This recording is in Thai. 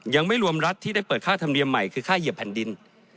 ยังไม่รวมรัฐที่ได้เปิดค่าธรรมเนียมใหม่คือค่าเหยียบแผ่นดิน